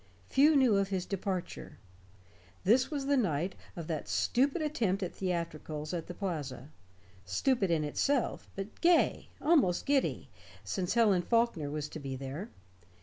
Few knew of his departure. This was the night of that stupid attempt at theatricals at the Plaza; stupid in itself but gay, almost giddy, since Helen Faulkner was to be there.